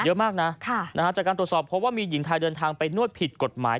เยอะมากนะจากการตรวจสอบพบว่ามีหญิงไทยเดินทางไปนวดผิดกฎหมาย